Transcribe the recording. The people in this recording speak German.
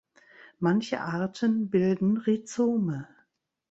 Manche Arten bilden Rhizome.